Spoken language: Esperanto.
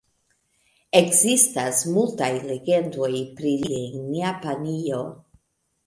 Ekzistas multaj legendoj pri li en Japanio.